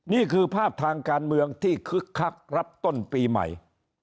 นี่คือภาพทางการเมืองที่คึกคักรับต้นปีใหม่